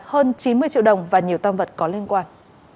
hơn chín mươi triệu đồng và nhiều tam vật có liên quan